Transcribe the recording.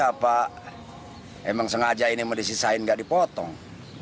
apa emang sengaja ini disisain tidak dipotong